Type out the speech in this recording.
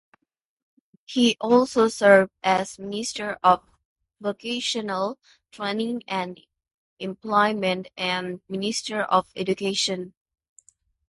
He also served as Minister of Vocational Training and Employment and Minister of Education.